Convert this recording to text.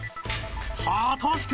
［果たして？］